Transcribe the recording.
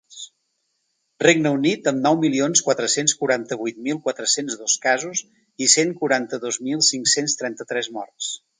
Regne Unit, amb nou milions quatre-cents quaranta-vuit mil quatre-cents dos casos i cent quaranta-dos mil cinc-cents trenta-tres morts.